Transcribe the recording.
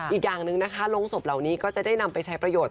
อีกอย่างหนึ่งนะคะโรงศพเหล่านี้ก็จะได้นำไปใช้ประโยชน